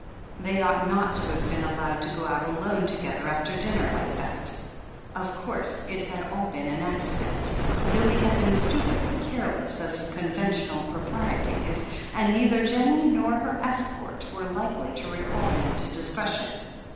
They ought not to have been allowed to go out alone together after dinner, like that. Of course, it had all been an accident — Billy had been stupid and careless of conventional proprieties, and neither Jennie nor her escort were likely to recall him to discretion.